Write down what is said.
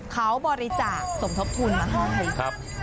เขาบริจาคสมทบทุนมาให้ครับ